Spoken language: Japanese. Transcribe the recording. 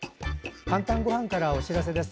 「かんたんごはん」からお知らせです。